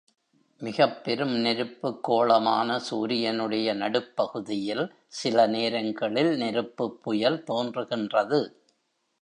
மிகப் பெரும் நெருப்புக் கோளமான சூரியனுடைய நடுப் பகுதியில், சில நேரங்களில் நெருப்புப்புயல் தோன்றுகின்றது.